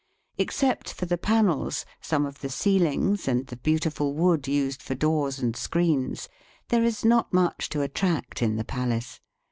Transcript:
Except for the panels, some of the ceilings, and the beautiful wood used for doors and screens, there is not much to attract in the palace.